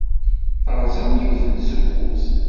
Terẓem yiwet n tzewwut.